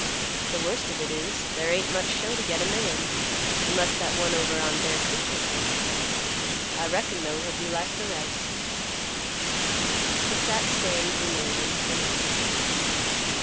The worst of it is, there ain't much show to get a man; unless that one over on Bear Creek will come. I reckon, though, he'll be like the rest." He sat staring gloomily into the night.